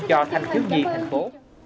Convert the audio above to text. cho thành phố